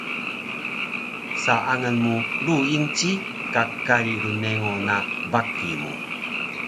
Saangal mu Ruingci ka kari rnengo na baki mu